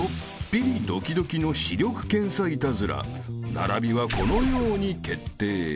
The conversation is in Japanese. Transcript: ［並びはこのように決定］